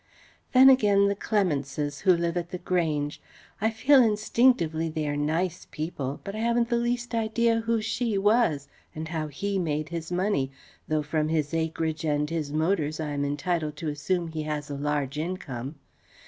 Then again, the Clementses, who live at the Grange. I feel instinctively they are nice people, but I haven't the least idea who she was and how he made his money, though from his acreage and his motors I am entitled to assume he has a large income.